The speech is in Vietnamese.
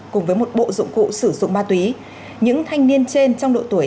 cùng với một bộ dụng cụ sử dụng ma túy những thanh niên trên trong độ tuổi